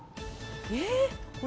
えっ？